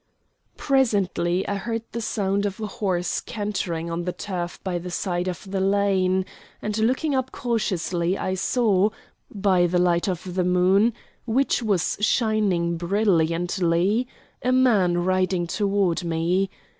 Presently I heard the sound of a horse cantering on the turf by the side of the lane, and looking up cautiously I saw, by the light of the moon, which was shining brilliantly, a man riding toward me.